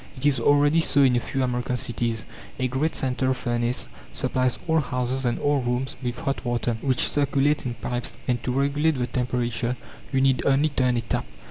It is already so in a few American cities. A great central furnace supplies all houses and all rooms with hot water, which circulates in pipes; and to regulate the temperature you need only turn a tap.